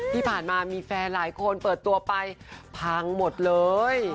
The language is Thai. ที่ผ่านมามีแฟนหลายคนเปิดตัวไปพังหมดเลย